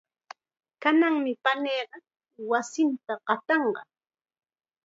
Kananmi paniiqa wasinta qatanqa.